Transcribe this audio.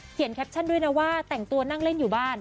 แคปชั่นด้วยนะว่าแต่งตัวนั่งเล่นอยู่บ้าน